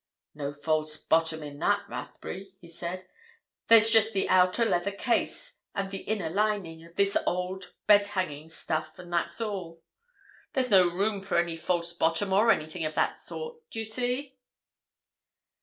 "No false bottom in that, Rathbury," he said. "There's just the outer leather case, and the inner lining, of this old bed hanging stuff, and that's all. There's no room for any false bottom or anything of that sort, d'you see?"